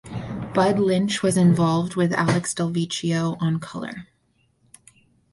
Budd Lynch was involved with Alex Delvecchio on color.